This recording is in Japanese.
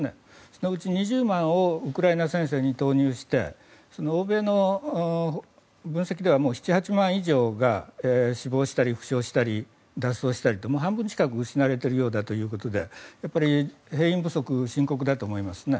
そのうち２０万をウクライナ戦線に投入して、欧米の分析では７８万以上が死亡したり、負傷したり脱走したりと半分近く失われているようだということで兵員不足が深刻だと思いますね。